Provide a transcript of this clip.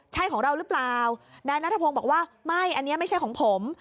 ใช่ของเราหรือเปล่านายนัทพงศ์บอกว่าไม่อันนี้ไม่ใช่ของผม